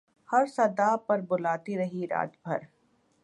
ہر صدا پر بلاتی رہی رات بھر